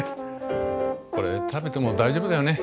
これ食べても大丈夫だよね？